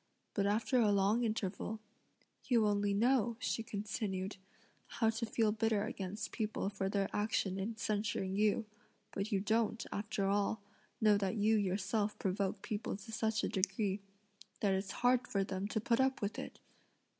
But after a long interval, "You only know," she continued, "how to feel bitter against people for their action in censuring you: but you don't, after all, know that you yourself provoke people to such a degree, that it's hard for them to put up with it!